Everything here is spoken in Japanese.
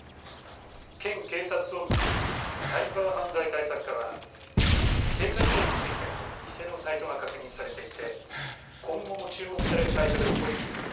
県警察本部サイバー犯罪対策課は聖火リレーについても偽のサイトが確認されていて今後も注目されるサイトで起こりうる。